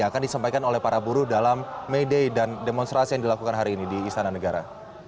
yang akan disampaikan oleh para buruh dalam may day dan demonstrasi yang dilakukan hari ini di istana negara